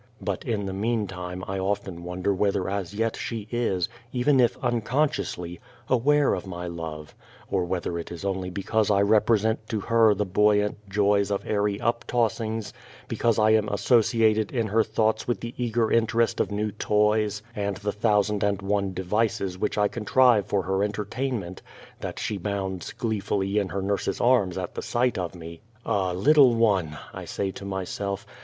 But in the meantime I often wonder whether as yet she is even if unconsciously aware of my love, or whether it is only because I represent to her the buoyant joys of airy up tossings, because I am associated in her thoughts with the eager interest of new toys, and the thousand and one devices which I contrive for her entertain ment, that she bounds gleefully in her nurse's arms at sight of me. " Ah, little one !" I say to myself.